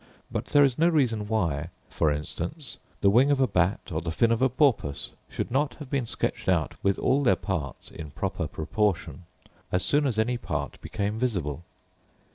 But there is no reason why, for instance, the wing of a bat, or the fin of a porpoise, should not have been sketched out with all their parts in proper proportion, as soon as any part became visible.